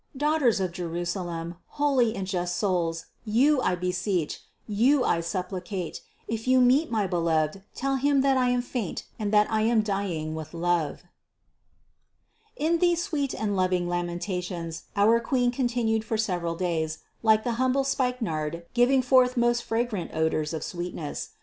Daughters of Jerusalem, holy and just souls, you I beseech, you I sup plicate, if you meet my Beloved, tell Him that I am faint and that I am dying with love." 685. In these sweet and loving lamentations our Queen continued for several days, like the humble spikenard giving forth most fragrant odors of sweetness.